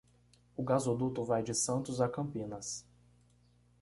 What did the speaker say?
O gasoduto vai de Santos à Campinas